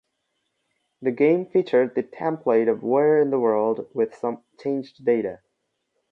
The game featured the template of "Where in the World" with some changed data.